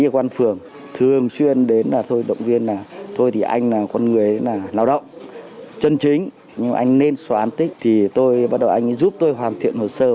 chỉ ở quán phường thường xuyên đến là thôi động viên là thôi thì anh là con người là lao động chân chính nhưng anh nên xóa án tích thì tôi bắt đầu anh giúp tôi hoàn thiện hồ sơ